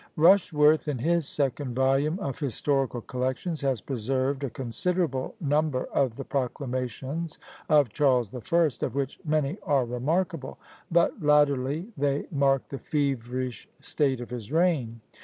Rushworth, in his second volume of Historical Collections, has preserved a considerable number of the proclamations of Charles the First, of which many are remarkable; but latterly they mark the feverish state of his reign.